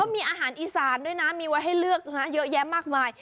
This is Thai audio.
มีอาหารอีสานด้วยนะมีไว้ให้เลือกนะเยอะแยะมากมาย